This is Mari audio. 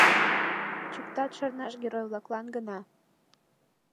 Чӱктат шарнаш герой-влаклан гына.